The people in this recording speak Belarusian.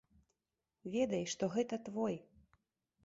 Ведай, што гэта твой.